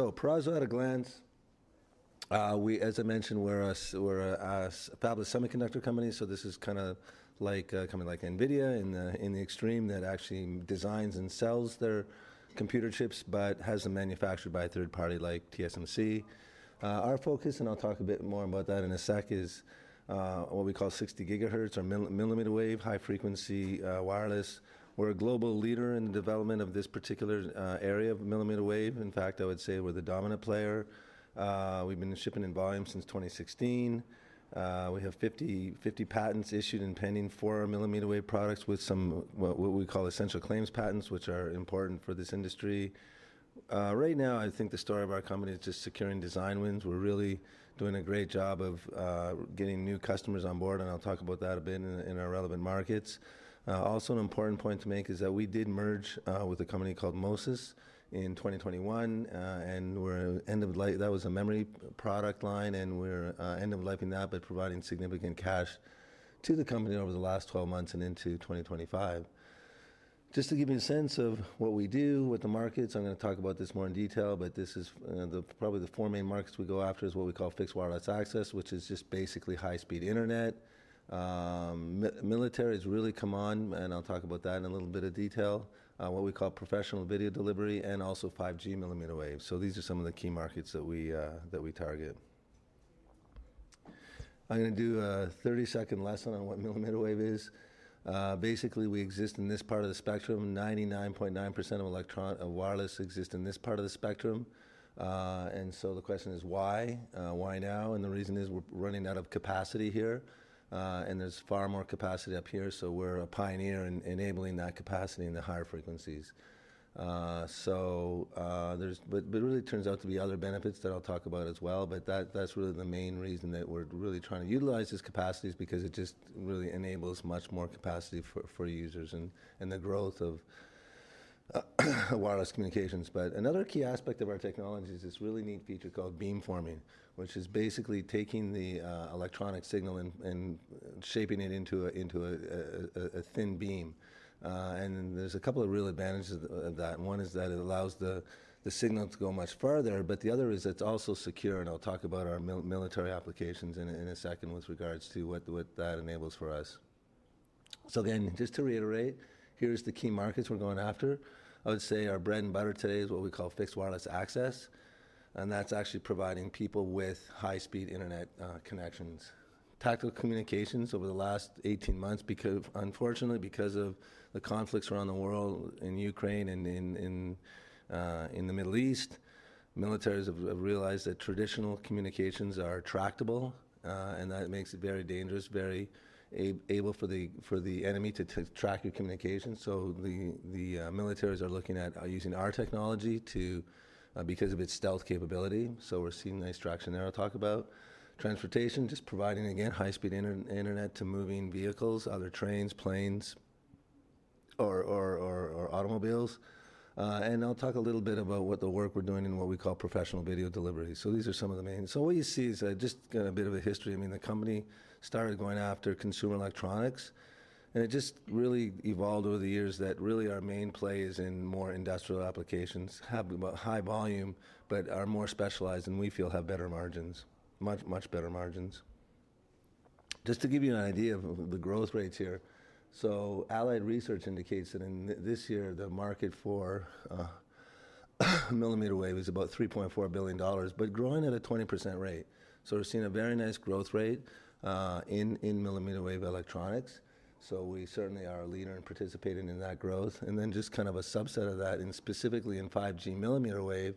Peraso at a glance, as I mentioned, we're a fabless semiconductor company, so this is kind of like a company like Nvidia in the extreme that actually designs and sells their computer chips, but has them manufactured by a third party like TSMC. Our focus, and I'll talk a bit more about that in a sec, is what we call 60 gigahertz or millimeter wave high-frequency wireless. We're a global leader in the development of this particular area of millimeter wave. In fact, I would say we're the dominant player. We've been shipping in volume since 2016. We have 50 patents issued and pending for our millimeter wave products with some what we call essential patent claims, which are important for this industry. Right now, I think the story of our company is just securing design wins. We're really doing a great job of getting new customers on board, and I'll talk about that a bit in our relevant markets. Also, an important point to make is that we did merge with a company called MoSys in 2021, and we're end of life-that was a memory product line-and we're end of life in that by providing significant cash to the company over the last 12 months and into 2025. Just to give you a sense of what we do with the markets, I'm going to talk about this more in detail, but this is probably the four main markets we go after is what we call fixed wireless access, which is just basically high-speed internet. Military has really come on, and I'll talk about that in a little bit of detail, what we call professional video delivery and also 5G ml wave. So these are some of the key markets that we target. I'm going to do a 30 second lesson on what millimeter wave is. Basically, we exist in this part of the spectrum. 99.9% of wireless exists in this part of the spectrum. And so the question is, why? Why now? And the reason is we're running out of capacity here, and there's far more capacity up here, so we're a pioneer in enabling that capacity in the higher frequencies. But it really turns out to be other benefits that I'll talk about as well, but that's really the main reason that we're really trying to utilize these capacities because it just really enables much more capacity for users and the growth of wireless communications. But another key aspect of our technology is this really neat feature called beamforming, which is basically taking the electronic signal and shaping it into a thin beam. And there's a couple of real advantages of that. One is that it allows the signal to go much further, but the other is it's also secure, and I'll talk about our military applications in a second with regards to what that enables for us. So again, just to reiterate, here's the key markets we're going after. I would say our bread and butter today is what we call fixed wireless access, and that's actually providing people with high-speed internet connections. Tactical communications over the last 18 months, unfortunately, because of the conflicts around the world in Ukraine and in the Middle East, militaries have realized that traditional communications are trackable, and that makes it very dangerous, very easy for the enemy to track your communications, so the militaries are looking at using our technology because of its stealth capability, so we're seeing nice traction there I'll talk about. Transportation, just providing, again, high-speed internet to moving vehicles, other trains, planes, or automobiles, and I'll talk a little bit about what the work we're doing in what we call professional video delivery, so these are some of the main. What you see is just a bit of a history. I mean, the company started going after consumer electronics, and it just really evolved over the years that really our main play is in more industrial applications. Have high volume, but are more specialized, and we feel have better margins, much, much better margins. Just to give you an idea of the growth rates here, so Allied Market Research indicates that this year the market for millimeter wave is about $3.4 billion, but growing at a 20% rate. So we're seeing a very nice growth rate in millimeter wave electronics. So we certainly are a leader in participating in that growth. And then just kind of a subset of that, and specifically in 5G millimeter wave,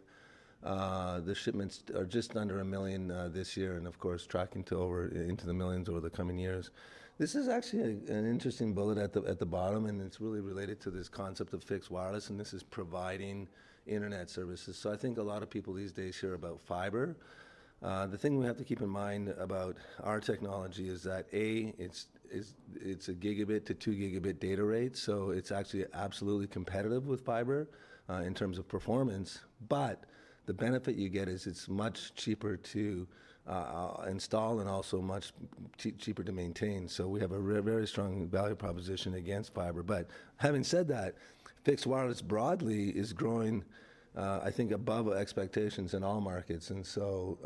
the shipments are just under a million this year, and of course, tracking to over into the millions over the coming years. This is actually an interesting bullet at the bottom, and it's really related to this concept of fixed wireless, and this is providing internet services. So I think a lot of people these days hear about fiber. The thing we have to keep in mind about our technology is that, A, it's a gigabit to two gigabit data rate, so it's actually absolutely competitive with fiber in terms of performance, but the benefit you get is it's much cheaper to install and also much cheaper to maintain, so we have a very strong value proposition against fiber, but having said that, fixed wireless broadly is growing, I think, above expectations in all markets, and so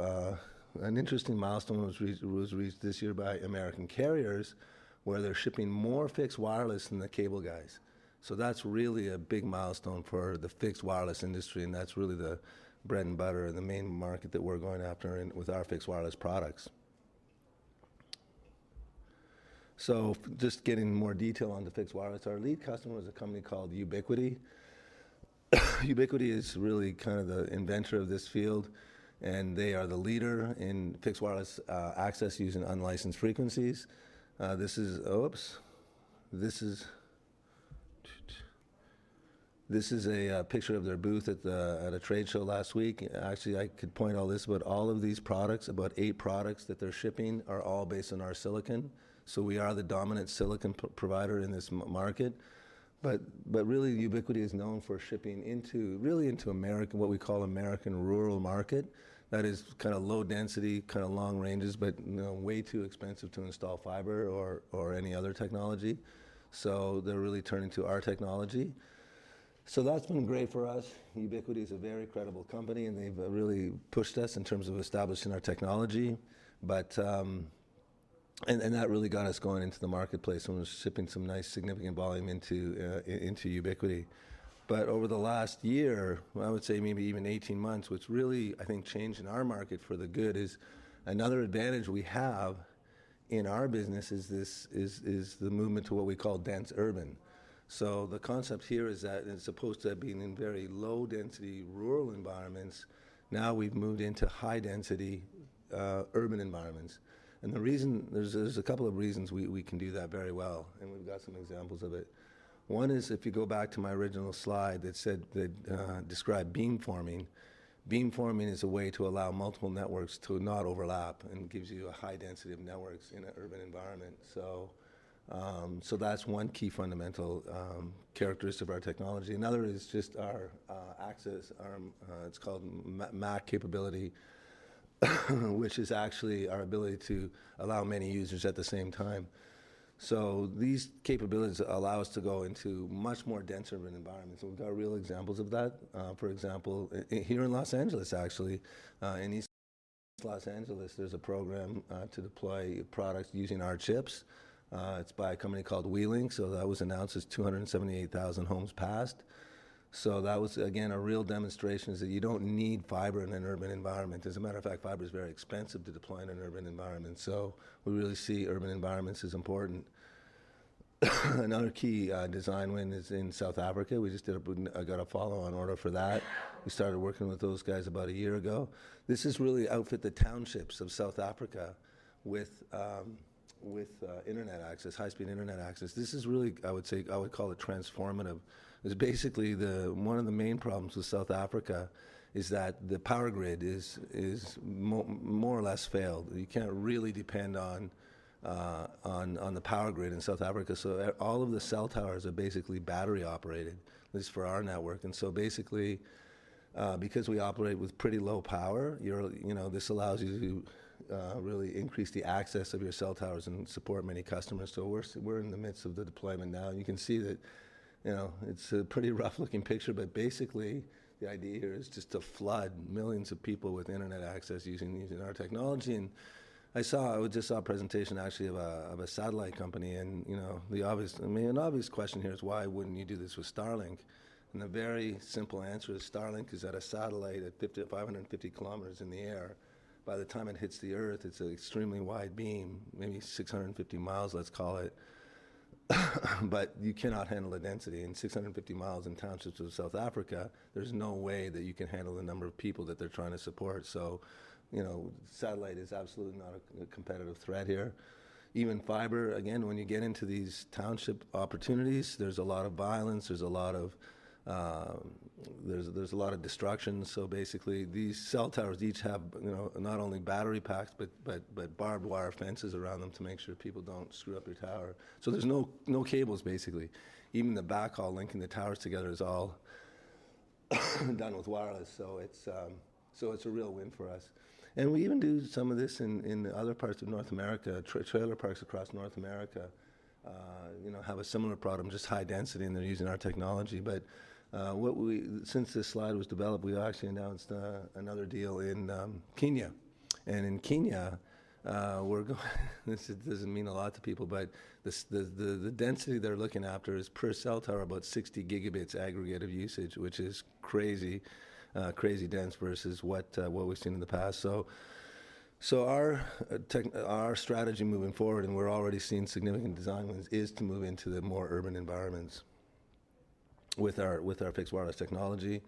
an interesting milestone was reached this year by American carriers where they're shipping more fixed wireless than the cable guys, so that's really a big milestone for the fixed wireless industry, and that's really the bread and butter and the main market that we're going after with our fixed wireless products, so just getting more detail on the fixed wireless, our lead customer is a company called Ubiquiti. Ubiquiti is really kind of the inventor of this field, and they are the leader in fixed wireless access using unlicensed frequencies. This is a picture of their booth at a trade show last week. Actually, I could point all this, but all of these products, about eight products that they're shipping, are all based on our silicon. So we are the dominant silicon provider in this market. But really, Ubiquiti is known for shipping really into what we call American rural market. That is kind of low density, kind of long ranges, but way too expensive to install fiber or any other technology. So they're really turning to our technology. So that's been great for us. Ubiquiti is a very credible company, and they've really pushed us in terms of establishing our technology. That really got us going into the marketplace when we were shipping some nice significant volume into Ubiquiti. But over the last year, I would say maybe even 18 months, what's really, I think, changed in our market for the good is another advantage we have in our business is the movement to what we call dense urban. So the concept here is that instead of being in very low-density rural environments, now we've moved into high-density urban environments. There's a couple of reasons we can do that very well, and we've got some examples of it. One is if you go back to my original slide that described beamforming, beamforming is a way to allow multiple networks to not overlap and gives you a high density of networks in an urban environment. So that's one key fundamental characteristic of our technology. Another is just our access, it's called MAC capability, which is actually our ability to allow many users at the same time, so these capabilities allow us to go into much more dense urban environments. We've got real examples of that. For example, here in Los Angeles, actually, in East Los Angeles, there's a program to deploy products using our chips. It's by a company called WeLink, so that was announced as 278,000 homes passed, so that was, again, a real demonstration that you don't need fiber in an urban environment. As a matter of fact, fiber is very expensive to deploy in an urban environment, so we really see urban environments as important. Another key design win is in South Africa. We just got a follow-on order for that. We started working with those guys about a year ago. This is really outfitting the townships of South Africa with internet access, high-speed internet access. This is really. I would call it transformative. It's basically one of the main problems with South Africa is that the power grid is more or less failed. You can't really depend on the power grid in South Africa. So all of the cell towers are basically battery operated, at least for our network. And so basically, because we operate with pretty low power, this allows you to really increase the access of your cell towers and support many customers. So we're in the midst of the deployment now. You can see that it's a pretty rough-looking picture, but basically, the idea here is just to flood millions of people with internet access using our technology. I just saw a presentation actually of a satellite company, and the obvious question here is, why wouldn't you do this with Starlink? The very simple answer is Starlink is at a satellite at 550 km in the air. By the time it hits the Earth, it's an extremely wide beam, maybe 650 mi, let's call it. But you cannot handle the density. In 650 mi in townships of South Africa, there's no way that you can handle the number of people that they're trying to support. So satellite is absolutely not a competitive threat here. Even fiber, again, when you get into these township opportunities, there's a lot of violence, there's a lot of destruction. So basically, these cell towers each have not only battery packs, but barbed wire fences around them to make sure people don't screw up your tower. So there's no cables, basically. Even the backhaul linking the towers together is all done with wireless. So it's a real win for us, and we even do some of this in other parts of North America. Trailer parks across North America have a similar problem, just high density, and they're using our technology, but since this slide was developed, we actually announced another deal in Kenya. And in Kenya, this doesn't mean a lot to people, but the density they're looking after is per cell tower about 60 gigabits aggregate of usage, which is crazy, crazy dense versus what we've seen in the past, so our strategy moving forward, and we're already seeing significant design wins, is to move into the more urban environments with our fixed wireless technology.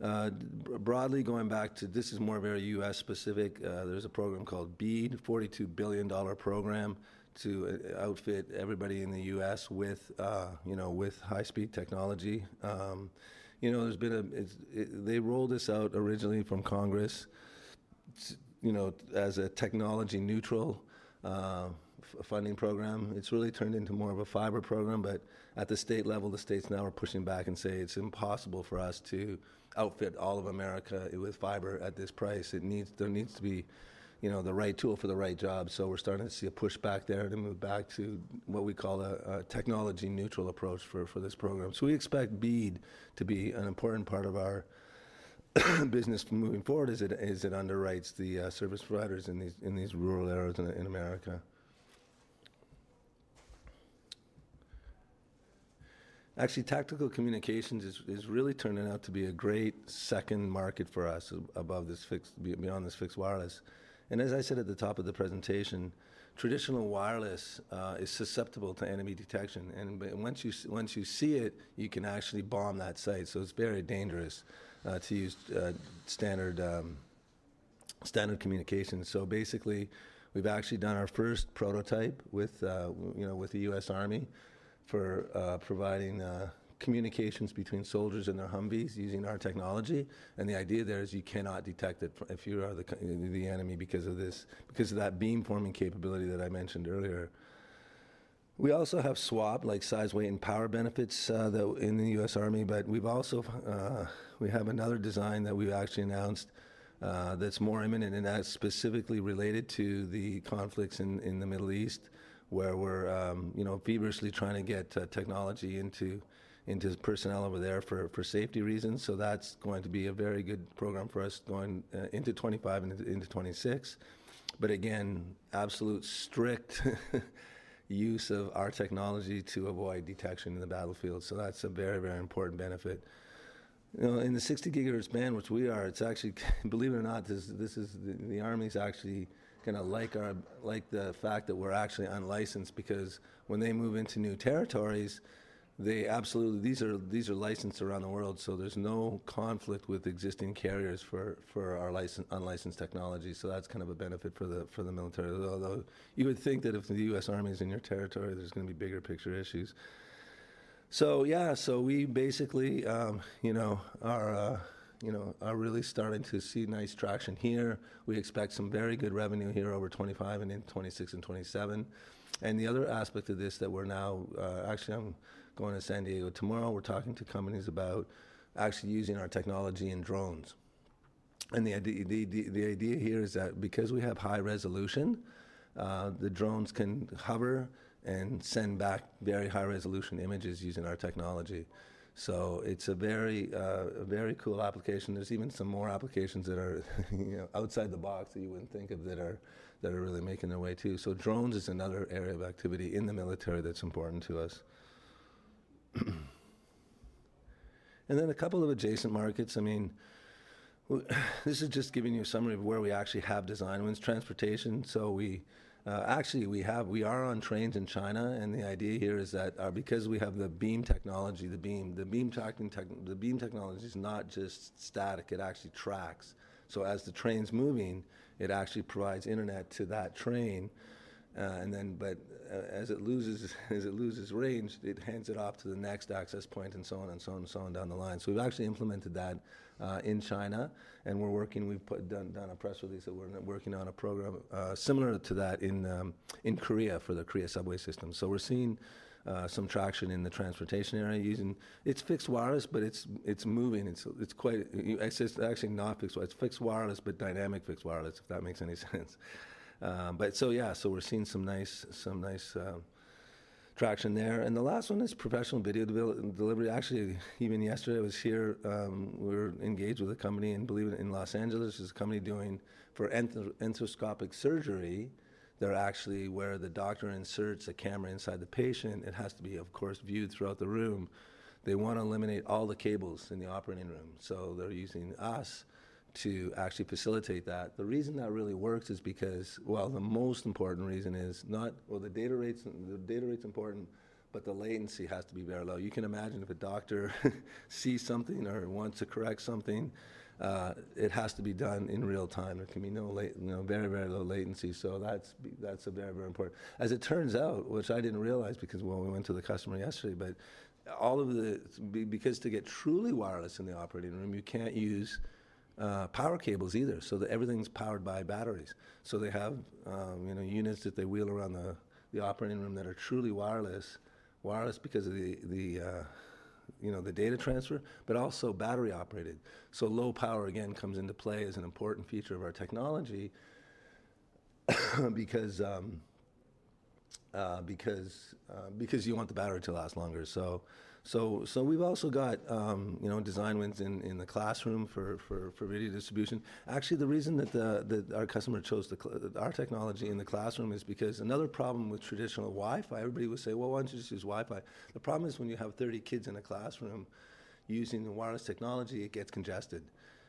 Broadly going back to, this is more very U.S. specific, there's a program called BEAD, a $42 billion program to outfit everybody in the U.S. With high-speed technology. They rolled this out originally from Congress as a technology-neutral funding program. It's really turned into more of a fiber program, but at the state level, the states now are pushing back and say it's impossible for us to outfit all of America with fiber at this price. There needs to be the right tool for the right job. So we're starting to see a push back there to move back to what we call a technology-neutral approach for this program. So we expect BEAD to be an important part of our business moving forward as it underwrites the service providers in these rural areas in America. Actually, tactical communications is really turning out to be a great second market for us above this fixed, beyond this fixed wireless. And as I said at the top of the presentation, traditional wireless is susceptible to enemy detection. And once you see it, you can actually bomb that site. So it's very dangerous to use standard communications. So basically, we've actually done our first prototype with the U.S. Army for providing communications between soldiers and their Humvees using our technology. And the idea there is you cannot detect it if you are the enemy because of that beamforming capability that I mentioned earlier. We also have SWaP, like size, weight and power benefits in the U.S. Army, but we have another design that we've actually announced that's more imminent and that's specifically related to the conflicts in the Middle East where we're feverishly trying to get technology into personnel over there for safety reasons. So that's going to be a very good program for us going into 2025 and into 2026. But again, absolute strict use of our technology to avoid detection in the battlefield. So that's a very, very important benefit. In the 60 gigahertz band, which we are, it's actually, believe it or not, the Army's actually going to like the fact that we're actually unlicensed because when they move into new territories, these are licensed around the world. So there's no conflict with existing carriers for our unlicensed technology. So that's kind of a benefit for the military. Although you would think that if the U.S. Army is in your territory, there's going to be bigger picture issues. So yeah, so we basically are really starting to see nice traction here. We expect some very good revenue here over 2025 and in 2026 and 2027. And the other aspect of this that we're now, actually, I'm going to San Diego tomorrow. We're talking to companies about actually using our technology in drones. And the idea here is that because we have high resolution, the drones can hover and send back very high-resolution images using our technology. So it's a very cool application. There's even some more applications that are outside the box that you wouldn't think of that are really making their way too. So drones is another area of activity in the military that's important to us. And then a couple of adjacent markets. I mean, this is just giving you a summary of where we actually have design wins. Transportation. So actually, we are on trains in China. And the idea here is that because we have the beam technology, the beam tracking technology is not just static. It actually tracks. So as the train's moving, it actually provides internet to that train. But as it loses range, it hands it off to the next access point and so on and so on and so on down the line. So we've actually implemented that in China. And we've done a press release that we're working on a program similar to that in Korea for the Korea Subway system. So we're seeing some traction in the transportation area. It's fixed wireless, but it's moving. It's actually not fixed wireless. It's fixed wireless, but dynamic fixed wireless, if that makes any sense. But so yeah, so we're seeing some nice traction there. And the last one is professional video delivery. Actually, even yesterday I was here. We were engaged with a company in Los Angeles. It's a company doing for endoscopic surgery. They're actually where the doctor inserts a camera inside the patient. It has to be, of course, viewed throughout the room. They want to eliminate all the cables in the operating room so they're using us to actually facilitate that. The reason that really works is because, well, the most important reason is not, well, the data rate's important, but the latency has to be very low. You can imagine if a doctor sees something or wants to correct something, it has to be done in real time. There can be very, very low latency so that's a very, very important. As it turns out, which I didn't realize because when we went to the customer yesterday, but because to get truly wireless in the operating room, you can't use power cables either so everything's powered by batteries. So they have units that they wheel around the operating room that are truly wireless, wireless because of the data transfer, but also battery operated. So low power, again, comes into play as an important feature of our technology because you want the battery to last longer. So we've also got design wins in the classroom for video distribution. Actually, the reason that our customer chose our technology in the classroom is because another problem with traditional WiFi, everybody would say, "Well, why don't you just use WiFi?" The problem is when you have 30 kids in a classroom using the wireless technology, it gets congested.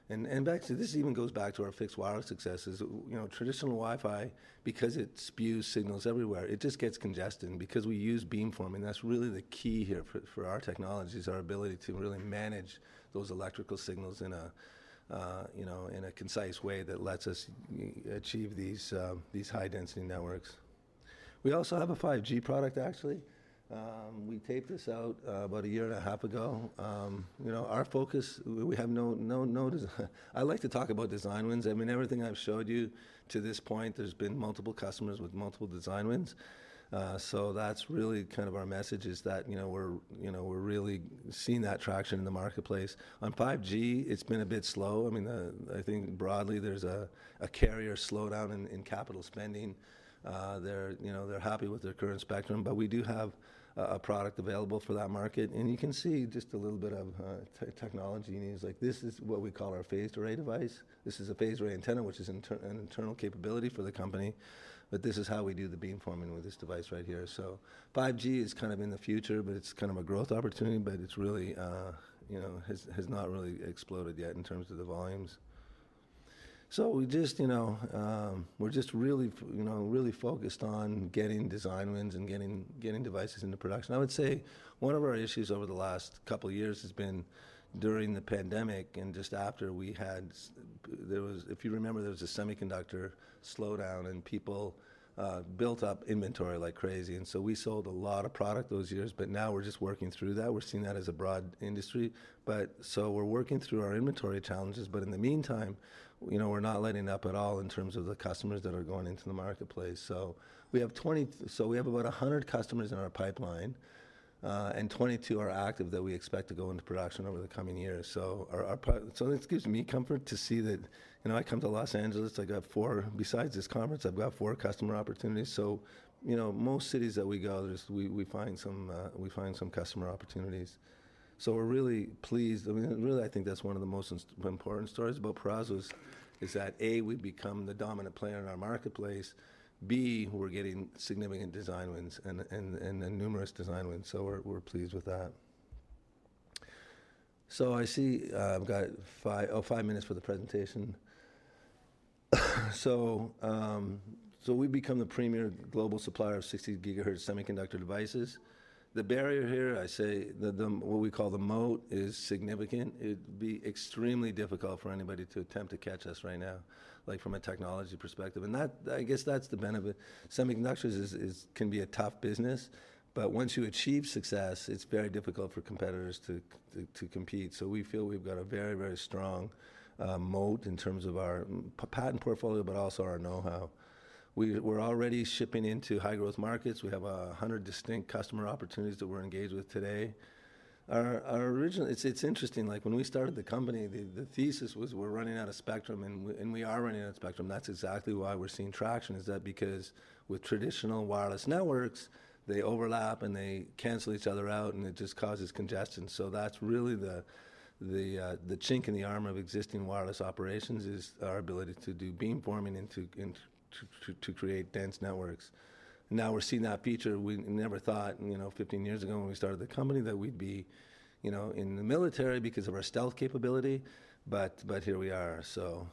And actually, this even goes back to our fixed wireless successes. Traditional WiFi, because it spews signals everywhere, it just gets congested because we use beamforming. That's really the key here for our technology is our ability to really manage those electrical signals in a concise way that lets us achieve these high-density networks. We also have a 5G product, actually. We taped this out about a year and a half ago. Our focus, we have no design. I like to talk about design wins. I mean, everything I've showed you to this point, there's been multiple customers with multiple design wins, so that's really kind of our message is that we're really seeing that traction in the marketplace. On 5G, it's been a bit slow. I mean, I think broadly there's a carrier slowdown in capital spending. They're happy with their current spectrum, but we do have a product available for that market, and you can see just a little bit of technology in these. This is what we call our phased array device. This is a phased array antenna, which is an internal capability for the company, but this is how we do the beamforming with this device right here. 5G is kind of in the future, but it's kind of a growth opportunity, but it really has not really exploded yet in terms of the volumes. We're just really focused on getting design wins and getting devices into production. I would say one of our issues over the last couple of years has been during the pandemic and just after we had, if you remember, there was a semiconductor slowdown and people built up inventory like crazy. And so we sold a lot of product those years, but now we're just working through that. We're seeing that as a broad industry. We're working through our inventory challenges, but in the meantime, we're not letting up at all in terms of the customers that are going into the marketplace. So we have about 100 customers in our pipeline and 22 are active that we expect to go into production over the coming years. So this gives me comfort to see that I come to Los Angeles. Besides this conference, I've got four customer opportunities. So most cities that we go, we find some customer opportunities. So we're really pleased. Really, I think that's one of the most important stories about Peraso is that, A, we've become the dominant player in our marketplace. B, we're getting significant design wins and numerous design wins. So we're pleased with that. So I see I've got five minutes for the presentation. So we've become the premier global supplier of 60 gigahertz semiconductor devices. The barrier here, I say what we call the moat is significant. It'd be extremely difficult for anybody to attempt to catch us right now, like from a technology perspective. I guess that's the benefit. Semiconductors can be a tough business, but once you achieve success, it's very difficult for competitors to compete. So we feel we've got a very, very strong moat in terms of our patent portfolio, but also our know-how. We're already shipping into high-growth markets. We have 100 distinct customer opportunities that we're engaged with today. It's interesting. When we started the company, the thesis was we're running out of spectrum and we are running out of spectrum. That's exactly why we're seeing traction. Is that because with traditional wireless networks, they overlap and they cancel each other out and it just causes congestion. So that's really the chink in the armor of existing wireless operations is our ability to do beamforming to create dense networks. Now we're seeing that feature. We never thought 15 years ago when we started the company that we'd be in the military because of our stealth capability, but here we are,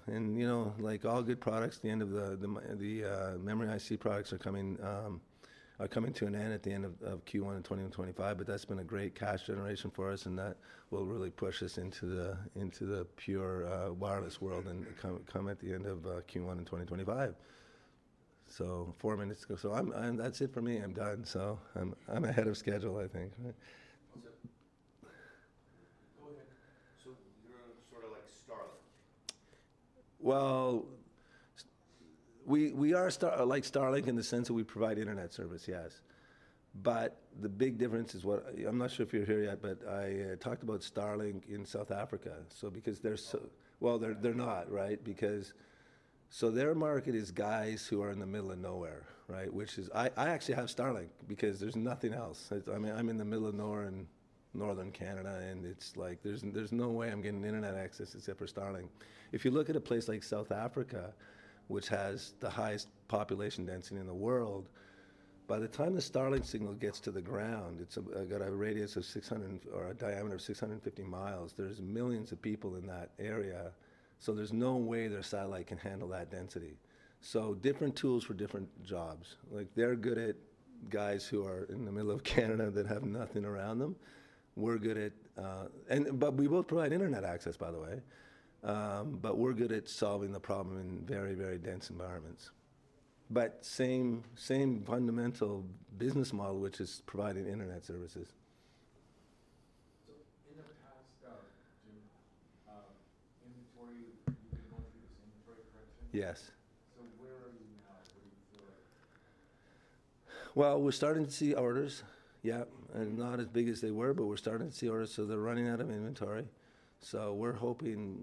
and like all good products, the end of the Memory IC products are coming to an end at the end of Q1 in 2025, but that's been a great cash generation for us and that will really push us into the pure wireless world and come at the end of Q1 in 2025. So four minutes ago. That's it for me. I'm done. I'm ahead of schedule, I think. Go ahead. You're sort of like Starlink? Well, we are like Starlink in the sense that we provide internet service, yes. But the big difference is what I'm not sure if you're here yet, but I talked about Starlink in South Africa. So because they're, well, they're not, right? Their market is guys who are in the middle of nowhere, right? I actually have Starlink because there's nothing else. I'm in the middle of nowhere in northern Canada and it's like there's no way I'm getting internet access except for Starlink. If you look at a place like South Africa, which has the highest population density in the world, by the time the Starlink signal gets to the ground, it's got a radius of 600 or a diameter of 650 mi. There's millions of people in that area. There's no way their satellite can handle that density. Different tools for different jobs. They're good at guys who are in the middle of Canada that have nothing around them. We're good at, but we both provide internet access, by the way. But we're good at solving the problem in very, very dense environments. But same fundamental business model, which is providing internet services. So in the past, during inventory, you've been going through this inventory correction? Yes. So where are you now? Where do you feel like? Well, we're starting to see orders. Yep. And not as big as they were, but we're starting to see orders. So they're running out of inventory. So we're hoping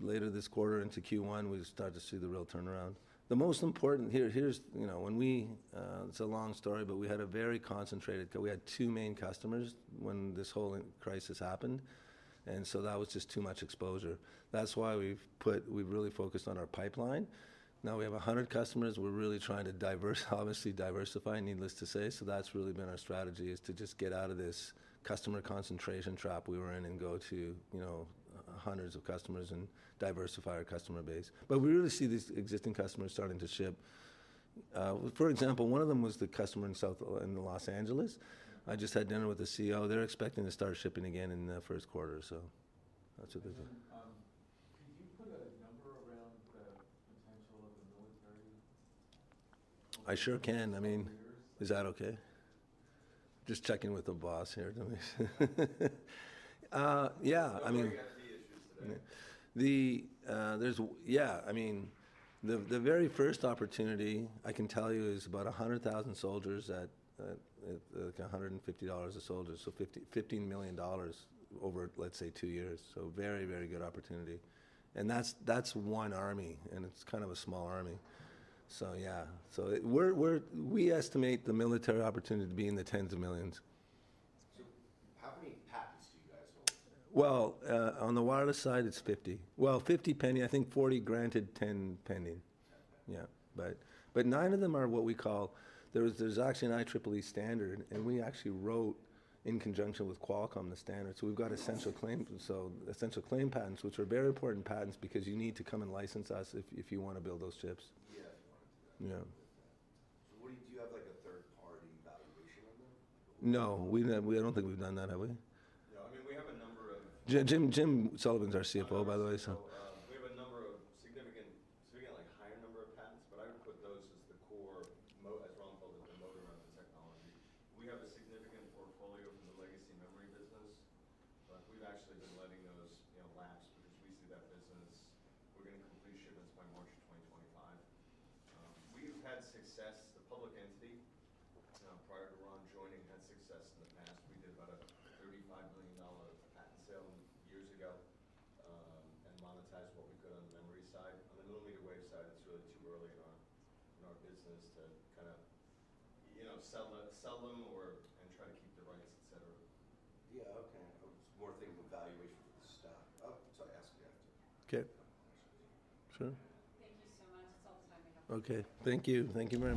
later this quarter into Q1, we start to see the real turnaround. The most important here, here's when we, it's a long story, but we had a very concentrated, we had two main customers when this whole crisis happened. And so that was just too much exposure. That's why we've really focused on our pipeline. Now we have 100 customers. We're really trying to diversify, needless to say. So that's really been our strategy is to just get out of this customer concentration trap we were in and go to hundreds of customers and diversify our customer base. But we really see these existing customers starting to ship. For example, one of them was the customer in Los Angeles. I just had dinner with the CEO. They're expecting to start shipping again in the first quarter. So that's what they do. Could you put a number around the potential of the military? I sure can. I mean, is that okay? Just checking with the boss here. Yeah. I mean, we're going to have the issues today. Yeah. I mean, the very first opportunity I can tell you is about 100,000 soldiers at $150 a soldier. So $15 million over, let's say, two years. So very, very good opportunity. And that's one army and it's kind of a small army. So yeah. So we estimate the military opportunity to be in the tens of millions. So how many patents do you guys hold? Well, on the wireless side, it's 50. Well, 50 pending. I think 40 granted 10 pending. Yeah. But nine of them are what we call, there's actually an IEEE standard and we actually wrote in conjunction with Qualcomm the standard. So we've got essential patent claims, which are very important patents because you need to come and license us if you want to build those chips. Yeah. If you want to do that. Yeah. So do you have a third-party valuation on them? No. I don't think we've done that, have we? No. I mean, we have a number from Jim Sullivan, our CFO, by the way. So we have a number of significant, significantly higher number of patents, but I would put those as the core, as Ronald called it, the motor of the technology. We have a significant portfolio from the legacy memory business, but we've actually been letting those lapse because we see that business. We're going to complete shipments by March of 2025. We've had success. The public entity, prior to Ron joining, had success in the past. We did about a $35 million patent sale years ago and monetized what we could on the memory side. On the millimeter wave side, it's really too early in our business to kind of sell them and try to keep the rights, etc. Yeah. Okay. It's more thing of valuation for the stock. Oh, sorry. Ask your questions. Okay. Thank you. Thank you very much.